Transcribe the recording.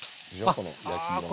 この焼き色が。